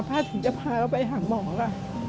พ่อถึงจะพากับไปหาหมอซะ